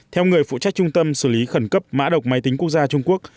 theo người phụ trách trung tâm xử lý khẩn cấp mã độc máy tính quốc gia trung quốc